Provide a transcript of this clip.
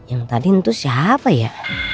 yang tadi itu siapa ya